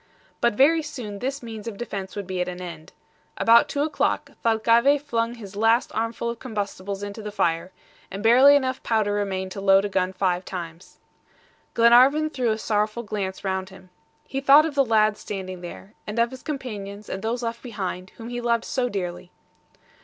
But very soon this means of defense would be at an end. About two o'clock, Thalcave flung his last armful of combustibles into the fire, and barely enough powder remained to load a gun five times. Glenarvan threw a sorrowful glance round him. He thought of the lad standing there, and of his companions and those left behind, whom he loved so dearly.